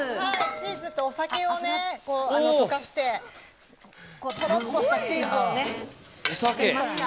チーズとお酒を溶かしてとろっとしたチーズを作りました。